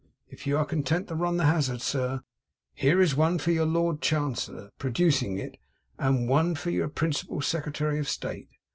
If you are content to run the hazard, sir, here is one for your Lord Chancellor,' producing it, 'and one for Your principal Secretary of State.